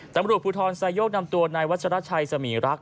จำรวจภูทรไซโยกนำตัวในวัชลัดชายสามีรักษณ์